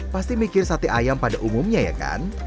pasti mikir sate ayam pada umumnya ya kan